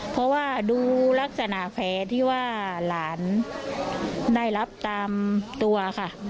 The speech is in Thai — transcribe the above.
เพราะว่าดูลักษณะแผลที่ว่าหลานได้รับตามตัวค่ะ